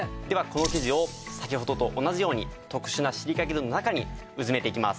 この生地を先ほどと同じように特殊なシリカゲルの中にうずめていきます。